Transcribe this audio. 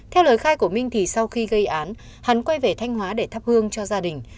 theo lời khai của minh thì sau khi gây án hắn quay về thanh hóa để thắp hương cho gia đình